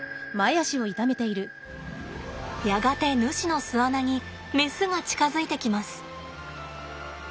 やがてヌシの巣穴にメスが近づいてきます。